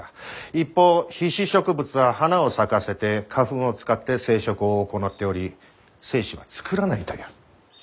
一方被子植物は花を咲かせて花粉を使って生殖を行っており精子は作らないという。